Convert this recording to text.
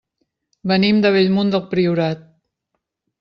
Venim de Bellmunt del Priorat.